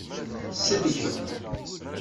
Tselkem.